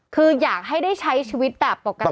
คืออยากให้ได้ใช้ชีวิตแบบปกติ